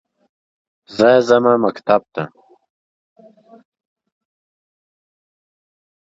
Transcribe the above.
Other schools include Saint Clare Catholic School.